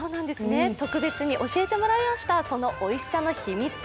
特別に教えてもらいました、そのおいしさの秘密。